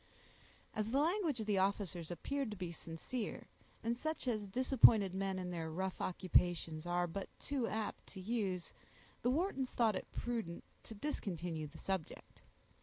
As the language of the officers appeared to be sincere, and such as disappointed men in their rough occupations are but too apt to use, the Whartons thought it prudent to discontinue the subject.